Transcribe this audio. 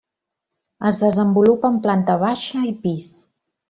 Es desenvolupa en planta baixa i pis.